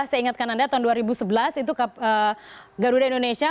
saya ingatkan anda tahun dua ribu sebelas itu garuda indonesia